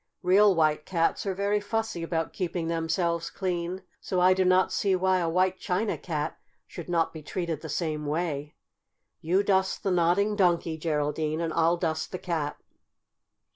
Real white cats are very fussy about keeping themselves clean, so I do not see why a white China Cat should not be treated the same way. You dust the Nodding Donkey, Geraldine, and I'll dust the Cat."